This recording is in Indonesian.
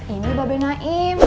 ini mbak beli naim